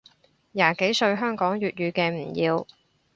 廿幾歲香港粵語嘅唔要